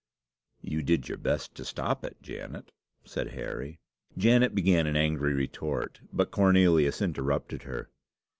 "You did your best to stop it, Janet," said Harry. Janet began an angry retort, but Cornelius interrupted her.